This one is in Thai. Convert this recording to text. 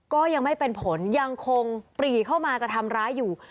ก็ยังไม่เป็นผลยังคงปรีเข้ามาจะทำร้ายอยู่